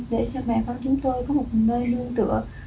để cho mẹ con chúng tôi có một nơi lưu tựa